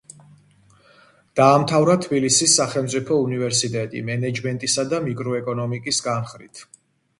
დაამთავრა თბილისის სახელმწიფო უნივერსიტეტი მენეჯმენტისა და მიკროეკონომიკის განხრით.